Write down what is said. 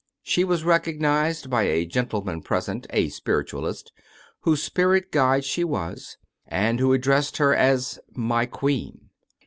She was recognized by a gentl^nan present, a spiritualist, whose spirit guide she was, and who addressed her as '' my queen."